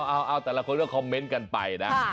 เอาแต่ละคนก็คอมเมนต์กันไปนะ